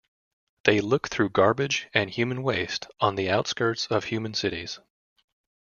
They look through garbage and human waste on the outskirts of human cities.